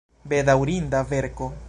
Bedaŭrinda verko!